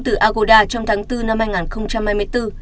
từ agoda trong tháng bốn năm hai nghìn hai mươi bốn